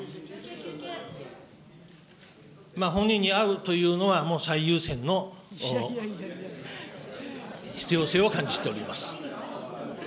本人に会うというのは、もう最優先の必要性を感じております。